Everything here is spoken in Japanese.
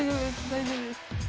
大丈夫です。